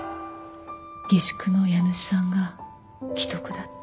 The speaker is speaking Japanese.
下宿の家主さんが危篤だって。